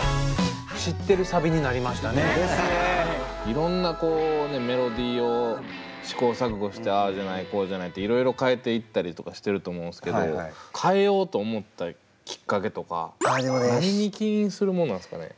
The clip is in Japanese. いろんなメロディーを試行錯誤してああじゃないこうじゃないっていろいろ変えていったりとかしてると思うんですけど変えようと思ったきっかけとか何に起因するもんなんですかね？